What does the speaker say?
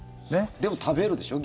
でも、食べるでしょ？